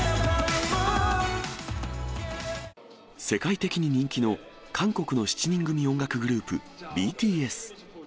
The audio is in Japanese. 世界的に人気の韓国の７人組音楽グループ、ＢＴＳ。